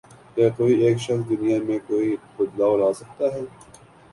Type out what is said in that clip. کیا کوئی ایک شخص دنیا میں کوئی بدلاؤ لا سکتا ہے؟